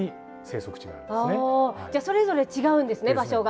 じゃあそれぞれ違うんですね場所が。